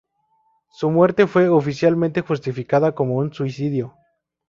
Su muerte fue oficialmente justificada como un suicidio.